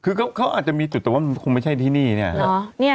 คือเขาอาจจะมีจุดแต่ว่ามันคงไม่ใช่ที่นี่เนี่ยครับ